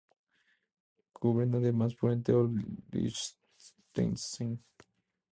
Cubren además por entero Liechtenstein.